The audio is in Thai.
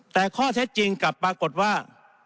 แต่ข้อเท็จจริงกลับปรากฏว่า